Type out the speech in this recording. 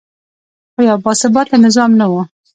خو یو باثباته نظام نه و